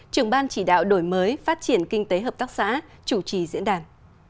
trưởng ban chỉ đạo đổi mới phát triển kinh tế hợp tác xã chủ trì diễn đàn